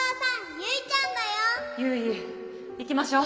ゆい行きましょう。